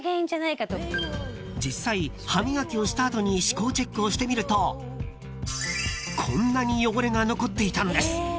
［実際歯磨きをした後に歯垢チェックをしてみるとこんなに汚れが残っていたんです］